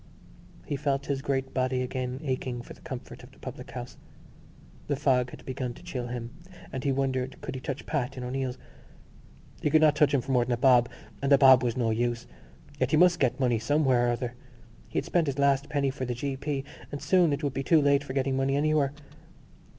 He felt his great body again aching for the comfort of the public house. The fog had begun to chill him and he wondered could he touch Pat in O'Neill's. He could not touch him for more than a bob—and a bob was no use. Yet he must get money somewhere or other: he had spent his last penny for the g.p. and soon it would be too late for getting money anywhere.